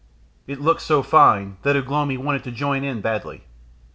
It looked so fine that Ugh lomi wanted to join in badly.